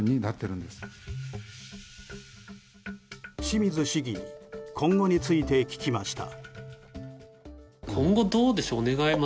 清水市議に今後について聞きました。